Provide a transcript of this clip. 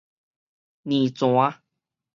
奶泉